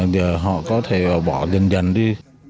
giờ họ có thể bỏ dần dần đi